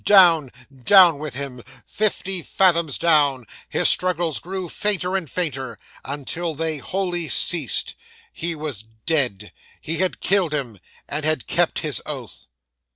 Down, down with him, fifty fathoms down; his struggles grew fainter and fainter, until they wholly ceased. He was dead; he had killed him, and had kept his oath.